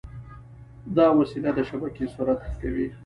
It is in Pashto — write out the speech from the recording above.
دا وسیله د شبکې سرعت ښه کوي.